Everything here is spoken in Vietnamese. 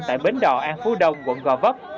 tại bến đò an phú đông quận gò vấp